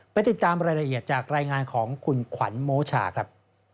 ติดตามรายละเอียดจากรายงานของคุณขวัญโมชาครับ